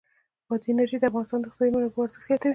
بادي انرژي د افغانستان د اقتصادي منابعو ارزښت زیاتوي.